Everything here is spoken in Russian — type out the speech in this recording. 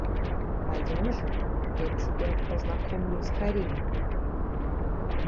Пойдем же, я тебя познакомлю с Карениным.